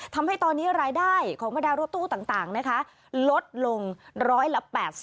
ทำให้ตอนนี้รายได้ของบรรดารถตู้ต่างนะคะลดลงร้อยละ๘๐